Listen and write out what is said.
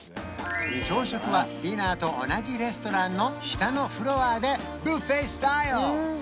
朝食はディナーと同じレストランの下のフロアでビュッフェスタイル